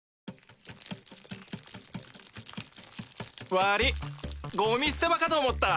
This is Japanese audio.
悪ぃゴミ捨て場かと思ったわ。